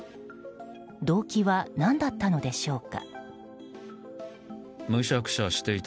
動機は何だったのでしょうか。